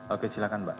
oke silahkan mbak